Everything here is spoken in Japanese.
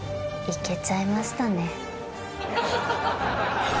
いけちゃいましたね。